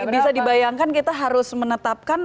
bisa dibayangkan kita harus menetapkan